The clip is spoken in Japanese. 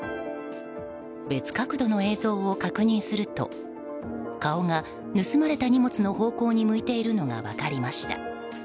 別角度の映像を確認すると顔が盗まれた荷物の方向に向いているのが分かりました。